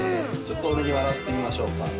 ちょっと多めに笑ってみましょうか。